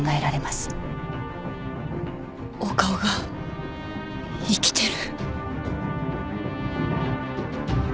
岡尾が生きてる？